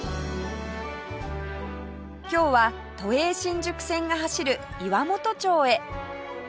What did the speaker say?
今日は都営新宿線が走る岩本町へ